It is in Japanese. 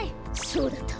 そうだった。